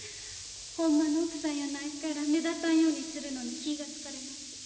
ホンマの奥さんやないから目立たんようにするのに気ぃが疲れます。